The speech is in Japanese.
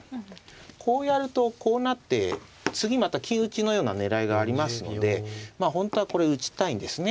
こうやるとこうなって次また金打ちのような狙いがありますので本当はこれ打ちたいんですね。